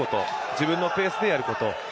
自分のペースでやること。